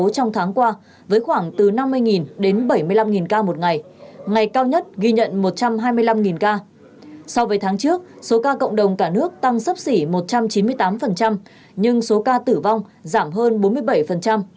so với tháng trước số ca cộng đồng cả nước tăng sấp xỉ một trăm chín mươi tám nhưng số ca tử vong giảm hơn bốn mươi bảy